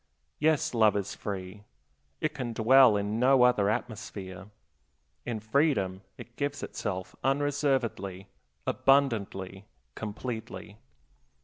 Yes, love is free; it can dwell in no other atmosphere. In freedom it gives itself unreservedly, abundantly, completely.